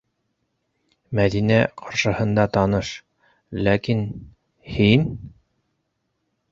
- Мәҙинә ҡаршыһында таныш, ләкин... - һин?!